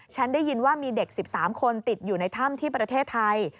ฉันได้ยินว่ามีเด็ก๑๓คนติดอยู่ในถ้ำที่ประเทศไทย